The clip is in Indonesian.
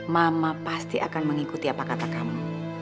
mama pasti akan mengikuti apa kata kamu